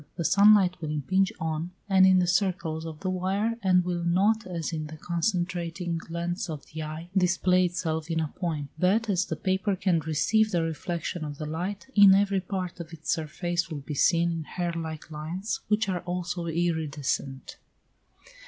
The sun light will impinge on and in the circles of the wire, and will not, as in the concentrating lens of the eye, display itself in a point; but, as the paper can receive the reflection of the light in every part of its surface will be seen in hair like lines, which are also iridescent.